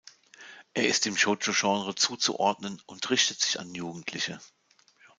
Er ist dem Shōjo-Genre zuzuordnen und richtet sich an Jugendliche.